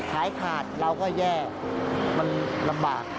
ขายขาดเราก็แย่มันลำบาก